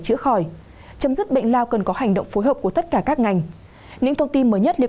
chữa khỏi chấm dứt bệnh lao cần có hành động phối hợp của tất cả các ngành những thông tin mới nhất liên